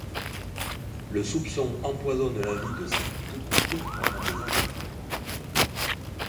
Le soupçon empoisonne la vie de ces deux couples pendant des années.